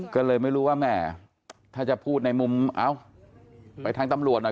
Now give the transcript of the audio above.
ก็เลยไม่รู้ว่าแหมถ้าจะพูดในมุมเอ้าไปทางตำรวจหน่อย